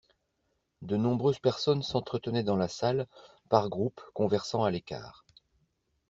De nombreuses personnes s'entretenaient dans la salle, par groupes conversant à l'écart.